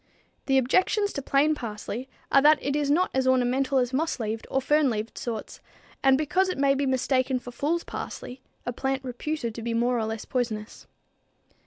The objections to plain parsley are that it is not as ornamental as moss leaved or fern leaved sorts, and because it may be mistaken for fools parsley, a plant reputed to be more or less poisonous.